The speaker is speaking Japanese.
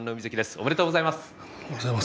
ありがとうございます。